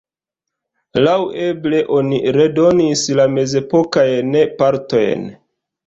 Laŭeble oni redonis la mezepokajn partojn.